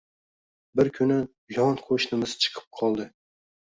Bir kuni yon qoʻshnimiz chiqib qoldi